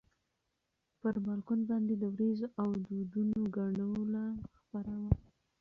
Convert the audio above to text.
پر بالکن باندې د ورېځو او دودونو ګډوله خپره وه.